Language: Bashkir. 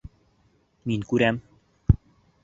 Мин күрәм!